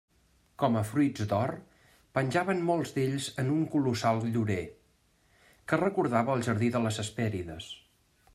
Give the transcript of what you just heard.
Com a fruits d'or, penjaven molts d'ells en un colossal llorer, que recordava el Jardí de les Hespèrides.